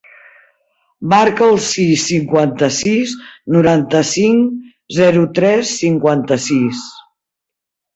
Marca el sis, cinquanta-sis, noranta-cinc, zero, tres, cinquanta-sis.